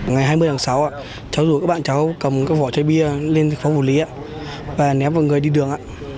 ngày hai mươi tháng sáu cháu rủ các bạn cháu cầm cái vỏ chai bia lên phòng phủ lý và ném vào người đi đường